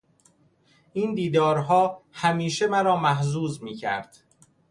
این دیدارها همیشه مرا محظوظ میکرد.